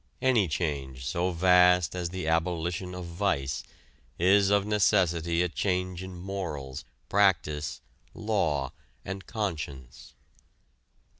Any change so vast as the abolition of vice is of necessity a change in morals, practice, law and conscience.